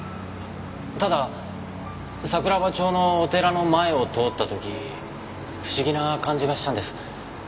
ただ桜庭町のお寺の前を通った時不思議な感じがしたんです。